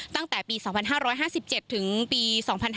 ตั้งแต่ปี๒๕๕๗ถึงปี๒๕๕๙